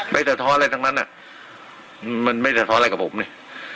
ไปตระเทาะอะไรตั้งนั้นอ่ะมันไม่เหลือตลอดอะไรกับผมนี่